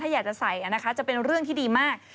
ถ้าอยากจะใส่นะคะจะเป็นเรื่องที่ดีมาก